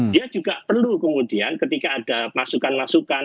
dia juga perlu kemudian ketika ada masukan masukan